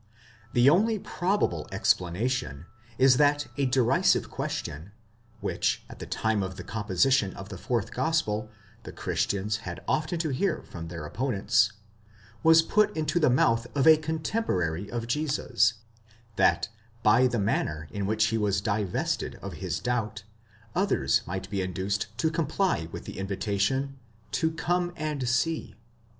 The only probable explanation is that a derisive question, which, at the time of the composition of the fourth gospel, the Christians had often to hear from their opponents, was put into the mouth of a cotemporary of Jesus, that by the manner in which he was divested of his doubt, others might be induced to comply with the invitation, to come and see.